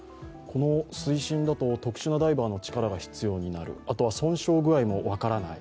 この水深だと特殊なダイバーの力が必要になるあとは損傷具合も分からない。